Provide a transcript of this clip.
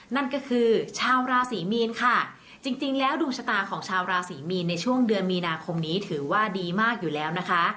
นั่นก็คือชาวราศรีมีนค่ะจริงแล้วดวงชะตาของชาวราศรีมีนในช่วงเดือนมีนาคมนี้ถือว่าดีมากอยู่แล้วนะคะ